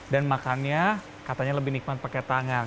dan makannya katanya lebih nikmat pakai tangan